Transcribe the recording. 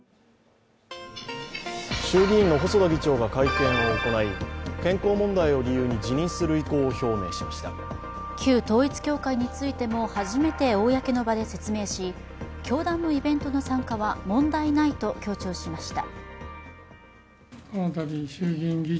衆議院の細田議長が会見を行い健康問題を理由に辞任する意向を表明しました旧統一教会についても初めて公の場で説明し、教団のイベントの参加は問題ないと強調しました。